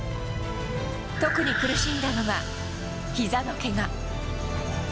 特に苦しんだのが、ひざのけが。